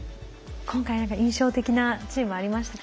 今回何か印象的なチームありましたか？